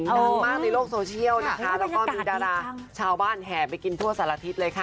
น้ำมากในโลกโซเชียลนะคะเหมือนแบบว่ามีดาราชาวบ้านแห่ไปกินทั่วสันละทิตย์เลยค่ะ